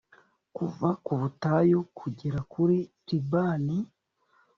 kuva ku butayu kugera kuri libani,